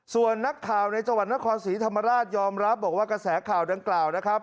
ส่วนนักข่าวในจังหวัดนครศรีธรรมราชยอมรับบอกว่ากระแสข่าวดังกล่าวนะครับ